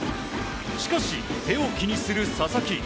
しかし、手を気にする佐々木。